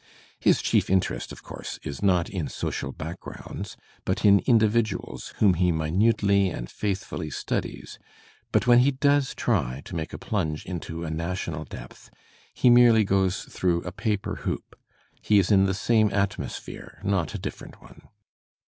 His chief interest, of course, is not in social back grounds, but in individuals whom he minutely and faithfully studies, but when he does try to make a plunge into a national depth, he merely goes through a paper hoop; he is in the same atmosphere, not a different one.